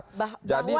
oke bang riza